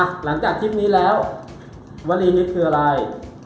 อ่ะหลังจากคลิปนี้แล้ววันนี้คืออะไร